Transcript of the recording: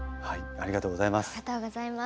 ありがとうございます。